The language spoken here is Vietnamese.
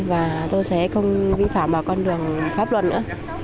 và tôi sẽ không vi phạm vào con đường pháp luật nữa